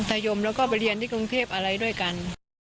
ยมแล้วก็ไปเรียนที่กรุงเทพอะไรด้วยกัน